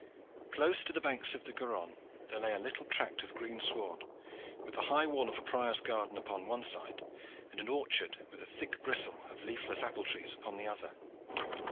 Close to the banks of the Garonne there lay a little tract of green sward, with the high wall of a prior's garden upon one side and an orchard with a thick bristle of leafless apple trees upon the other.